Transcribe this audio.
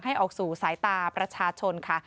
ออกสู่สายตาประชาชนค่ะ